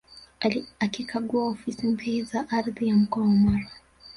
Akikagua ofisi mpya za Ardhi ya mkoa wa Mara